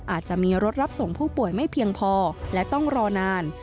อาจจะมีรถรับส่งผู้ป่วยไม่เพียงพอและต้องรอนาน